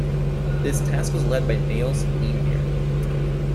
This task was led by Niels Leenheer.